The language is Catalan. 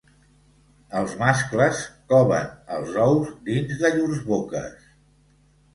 Els mascles coven els ous dins de llurs boques.